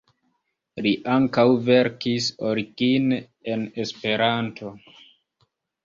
Li ankaŭ verkis origine en Esperanto.